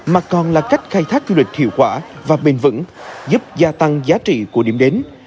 mà còn là cách khai thác du lịch hiệu quả và bền vững giúp gia tăng giá trị của điểm đến